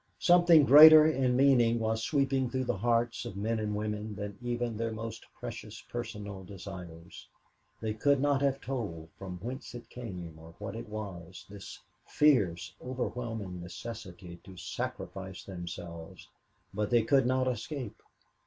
Something greater in meaning was sweeping through the hearts of men and women than even their most precious personal desires. They could not have told from whence it came or what it was this fierce, overwhelming necessity to sacrifice themselves; but they could not escape.